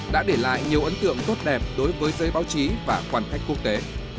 đã để lại nhiều ấn tượng tốt đẹp đối với giới báo chí và quan khách quốc tế